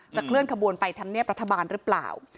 เคลื่อนขบวนไปทำเนียบรัฐบาลหรือเปล่า